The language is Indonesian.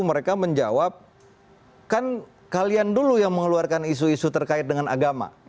mereka menjawab kan kalian dulu yang mengeluarkan isu isu terkait dengan agama